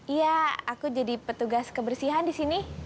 iya aku jadi petugas kebersihan di sini